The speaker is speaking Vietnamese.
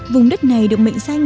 vùng đất này được mệnh danh